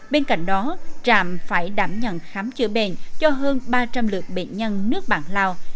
bên cạnh đó trạm phải đảm nhận khám chữa bệnh cho hơn ba trăm linh lượt bệnh nhân nước bạn lào